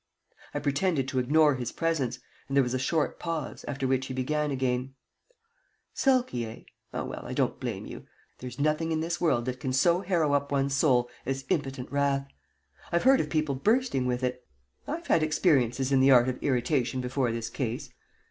I pretended to ignore his presence, and there was a short pause, after which he began again: "Sulky, eh? Oh, well, I don't blame you. There's nothing in this world that can so harrow up one's soul as impotent wrath. I've heard of people bursting with it. I've had experiences in the art of irritation before this case.